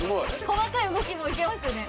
細かい動きもいけますよね。